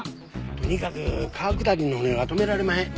とにかく川下りの船は止められまへん。